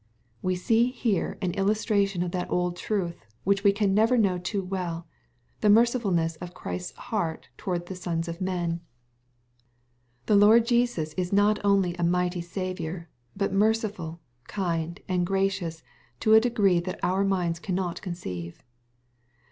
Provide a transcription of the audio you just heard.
'* We see here an illustration of that old truth, which we can never know too well, the mercifulness of Christ's heart towards the sons of men. The Lord Jesus is not only a mighty Saviour, but merciful, kind, and gracious to a degree that our minds cannot conceive.